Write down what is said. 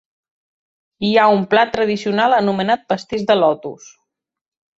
Hi ha un plat tradicional anomenat Pastís de Lotus.